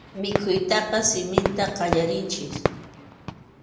Mikhuytaqa siminta qallarinchik.